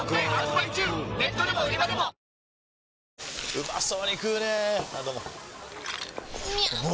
うまそうに食うねぇあどうもみゃう！！